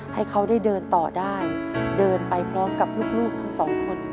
ให้เขาได้เดินต่อได้เดินไปพร้อมกับลูกทั้งสองคน